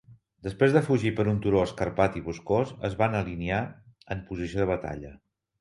Després de fugir per un turó escarpat i boscós, es van alinear en posició de batalla.